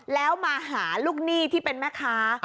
แล้วมาหาลูกหนี้ที่เป็นแม่ค้า